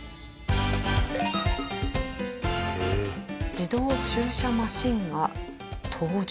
自動駐車マシンが登場。